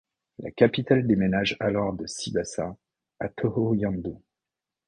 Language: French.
La capitale déménage alors de Sibasa à Thohoyandou.